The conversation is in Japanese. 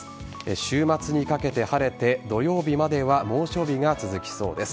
週末にかけて晴れて土曜日までは猛暑日が続きそうです。